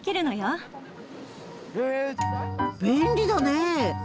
便利だね！